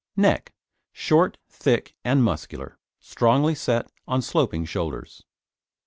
NECK Short, thick and muscular; strongly set on sloping shoulders.